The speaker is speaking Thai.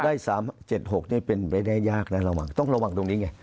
ได้๓๗๖เป็นเรื่องที่ยากนะต้องระวังตรงนี้ไง